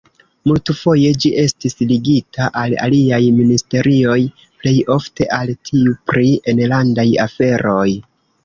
Multfoje ĝi estis ligita al aliaj ministerioj, plej ofte al tiu pri enlandaj aferoj.